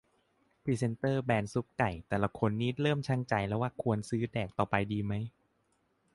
"พรีเซ็นเตอร์แบรนด์ซุปไก่แต่ละคนนี่ เริ่มชั่งใจละว่าควรจะซื้อแดกต่อไปดีไหม"